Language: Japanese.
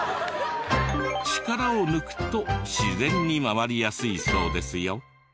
力を抜くと自然に回りやすいそうですよ。